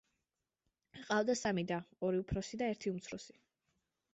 ჰყავდა სამი და: ორი უფროსი და ერთი უმცროსი.